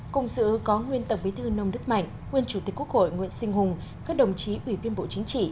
cùng sự có nguyên tổng bí thư nông đức mạnh nguyên chủ tịch quốc hội nguyễn sinh hùng các đồng chí ủy viên bộ chính trị